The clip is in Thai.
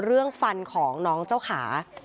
เรื่องฟันของน้องเจ้าขา